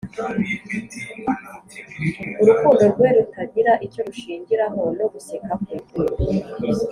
urukundo rwe rutagira icyo rushingiraho no guseka kwe,